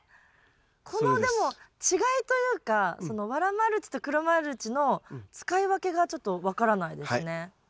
このでも違いというかそのワラマルチと黒マルチの使い分けがちょっと分からないですね。